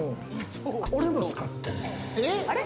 俺も使ってる。